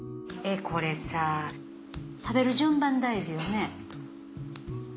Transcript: これさ食べる順番大事よね。